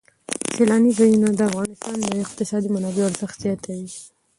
سیلانی ځایونه د افغانستان د اقتصادي منابعو ارزښت زیاتوي.